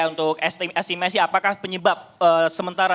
dan kalau kita lihat di sini kita bisa lihat bahwa ini adalah proses pemadaman